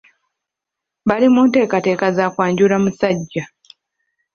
Bali mu nteekateeka za kwajula musajja.